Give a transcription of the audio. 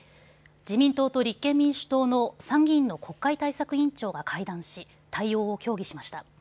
自民党と立憲民主党の参議院の国会対策委員長が会談し対応を協議しました。